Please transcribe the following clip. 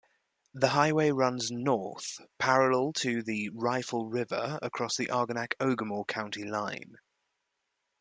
The highway runs north parallel to the Rifle River across the Arenac-Ogemaw County line.